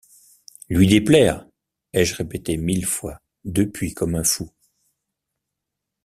Lui déplaire!... ai-je répété mille fois depuis comme un fou.